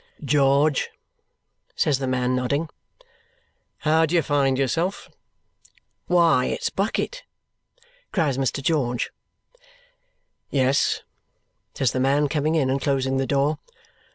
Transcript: "George," says the man, nodding, "how do you find yourself?" "Why, it's Bucket!" cries Mr. George. "Yes," says the man, coming in and closing the door.